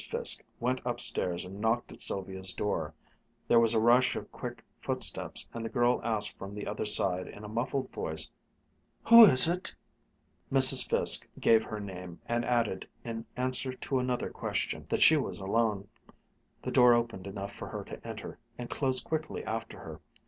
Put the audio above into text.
Fiske went upstairs and knocked at Sylvia's door. There was a rush of quick footsteps and the girl asked from the other side in a muffled voice, "Who is it?" Mrs. Fiske gave her name, and added, in answer to another question, that she was alone. The door opened enough for her to enter, and closed quickly after her.